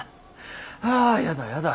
あやだやだ。